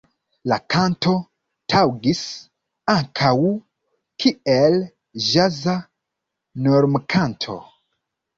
La kanto taŭgis ankaŭ kiel ĵaza normkanto.